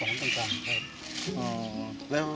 มาจนหน้านักข่าวเลยนะ